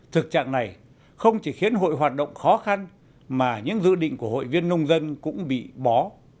thực trạng này không chỉ khiến hội hoạt động khó khăn mà những dự định của hội viên nông dân cũng bị bó